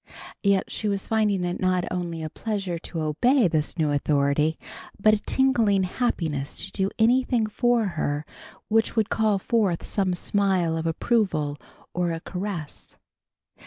Yet she was finding it not only a pleasure to obey this new authority but a tingling happiness to do anything for her which would call forth some smile of approval or a caress.